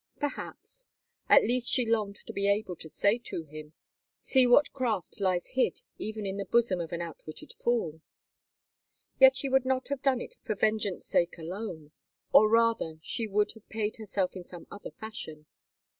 Perhaps; at least she longed to be able to say to him, "See what craft lies hid even in the bosom of an outwitted fool." Yet she would not have done it for vengeance' sake alone, or rather she would have paid herself in some other fashion.